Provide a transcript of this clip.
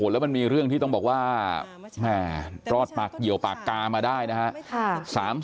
แล้วมันมีเรื่องที่ต้องบอกว่าแม่รอดปากเหี่ยวปากกามาได้นะครับ